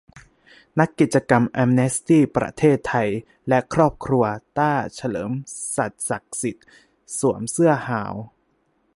นักกิจกรรมแอมเนสตี้ ประเทศไทย และครอบครัว"ตาร์"เฉลิม สัตย์ศักดิ์สิทธิ์ สวมเสื้อฮาว